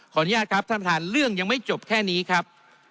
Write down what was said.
อนุญาตครับท่านประธานเรื่องยังไม่จบแค่นี้ครับ